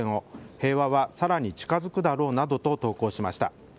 平和がさらに近づくだろうなどと投稿しました。